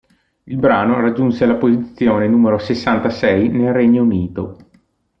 Il brano raggiunse la posizione numero sessantasei nel Regno Unito.